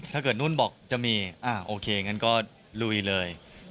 ถ้าเกิดนุ่นบอกจะมีโอเคอย่างนั้นก็ลุยเลย